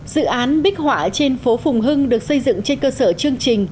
dự án bích họa trên phố phùng hưng được xây dựng trên cơ sở chương trình